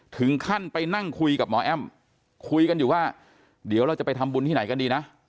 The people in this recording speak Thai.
ถึงขั้นไปนั่งคุยกับหมอแอ้มคุยกันอยู่ว่าเดี๋ยวเราจะไปทำบุญที่ไหนกันดีนะ